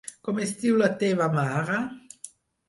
Com es diu la teva mare?